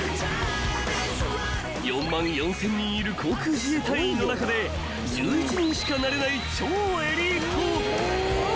［４万４，０００人いる航空自衛隊員の中で１１人しかなれない超エリート］